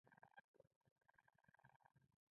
د سالنګ لار لا هم جوړه نه شوه.